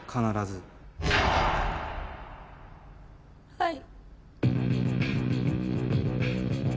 はい。